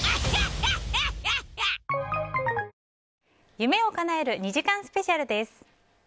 夢をかなえる２時間スペシャルです。